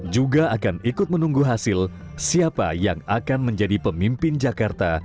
juga akan ikut menunggu hasil siapa yang akan menjadi pemimpin jakarta dua ribu tujuh belas dua ribu dua puluh dua